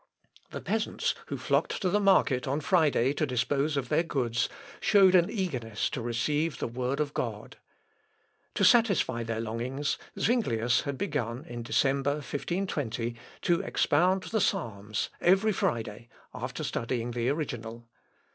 The peasants who flocked to the market on Friday to dispose of their goods, showed an eagerness to receive the Word of God. To satisfy their longings, Zuinglius had begun, in December 1520, to expound the Psalms every Friday after studying the original.